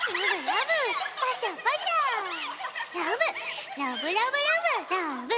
ラブラブラブ！